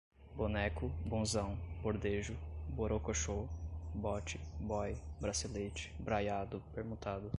boneco, bonzão, bordejo, borocochô, bote, boy, bracelete, braiado, permutado